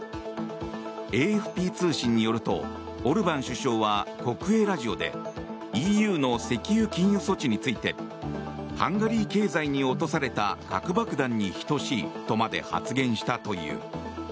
ＡＦＰ通信によるとオルバン首相は国営ラジオでＥＵの石油禁輸措置についてハンガリー経済に落とされた核爆弾に等しいとまで発言したという。